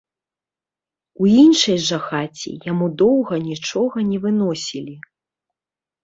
У іншай жа хаце яму доўга нічога не выносілі.